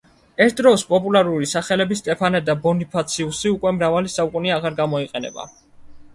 ერთდროს პოპულარული სახელები სტეფანე და ბონიფაციუსი უკვე მრავალი საუკუნეა აღარ გამოიყენება.